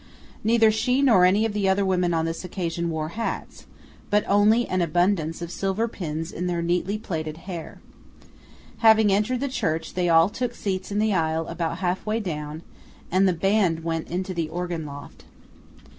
Neither she nor any of the other women on this occasion wore hats; but only an abundance of silver pins in their neatly plaited hair. Having entered the church, they all took seats in the aisle about halfway down, and the band went into the organ loft.